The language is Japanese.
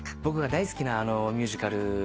僕が大好きなミュージカル。